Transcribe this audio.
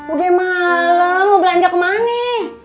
udah malem mau belanja ke mana nih